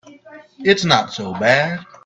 It's not so bad.